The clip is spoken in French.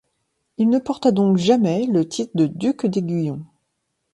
Il ne porta donc jamais le titre de duc d'Aiguillon.